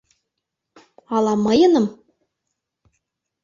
Ала мыйыным?..